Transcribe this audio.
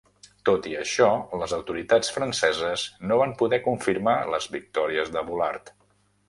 Tot i això, les autoritats franceses no van poder confirmar les victòries de Bullard.